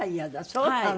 そうなの？